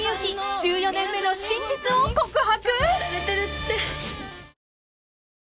１４年目の真実を告白！？］